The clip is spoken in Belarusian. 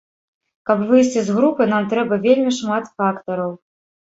Каб выйсці з групы, нам трэба вельмі шмат фактараў.